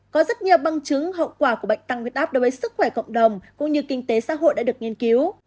có rất nhiều bằng chứng hậu quả của bệnh tăng huyết áp đối với sức khỏe cộng đồng cũng như kinh tế xã hội đã được nghiên cứu